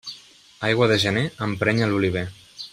Aigua de gener emprenya l'oliver.